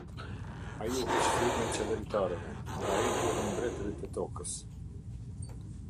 Ai u heq frymën qeveritarëve, nga ai druhen mbretërit e tokës.